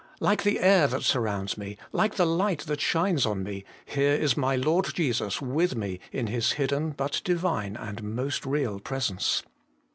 Like the air that surrounds me, like the light that shines on me, here is my Lord Jesus with me in His hidden but Divine and most real presence.